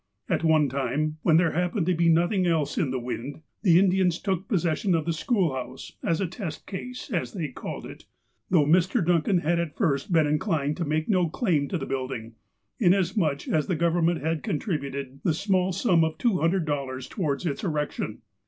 At one time, when there happened to be nothing else in the wind, the Indians took possession of the school house, as a test case, as they called it, though Mr. Dun can had at first been inclined to make no claim to the building, inasmuch as the Government had contributed the small sum of $200 towards its erection.